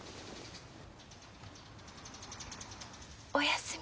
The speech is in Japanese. ・お休み。